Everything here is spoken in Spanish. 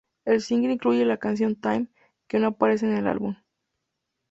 El single incluye la canción "Time", que no aparece en el álbum.